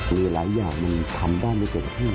มีหลายอย่างมันทำได้ไม่เต็มที่